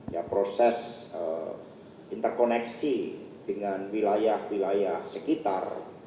ya proses interkoneksi dengan wilayah wilayah sekitar